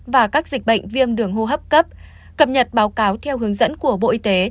và các dịch bệnh viêm đường hô hấp cấp cập nhật báo cáo theo hướng dẫn của bộ y tế